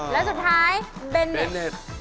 แล้วสุดท้ายเบนเน็ต